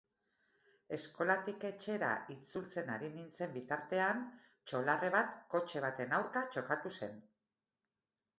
Eskolatik etxera hitzultzen ari nintzen bitartean txolarre bat kotxe baten aurka txokatu zen.